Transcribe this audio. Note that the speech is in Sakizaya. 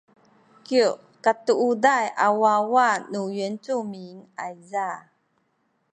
kyu katuuday a wawa nu yincumin ayza